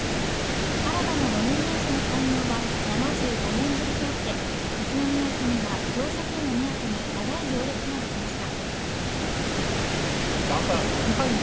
新たな路面電車の開業は７５年ぶりとあって宇都宮駅には乗車券を目当てに長い行列ができました